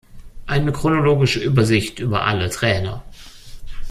Eine chronologische Übersicht über alle Trainer.